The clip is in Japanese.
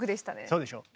そうでしょう。